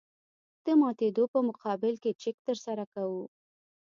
د ماتېدو په مقابل کې چک ترسره کوو